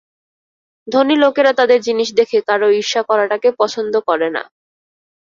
ধনী লোকেরা তাদের জিনিস দেখে কারো ঈর্ষা করাটাকে পছন্দ করে না।